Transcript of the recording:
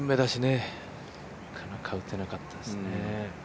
なかなか打てなかったですね。